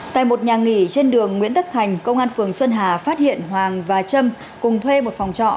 tại một nhà nghỉ trên đường nguyễn tất thành công an phường xuân hà phát hiện hoàng và trâm cùng thuê một phòng trọ